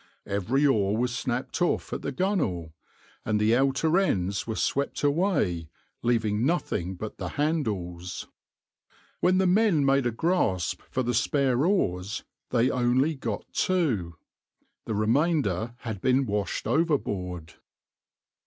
Every oar was snapped off at the gunwale, and the outer ends were swept away, leaving nothing but the handles. When the men made a grasp for the spare oars they only got two the remainder had been washed overboard.